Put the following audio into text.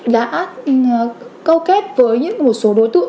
đã câu kết với những một số đối tượng